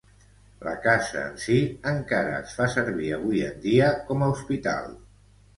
La casa en si encara es fa servir avui en dia com a hospital.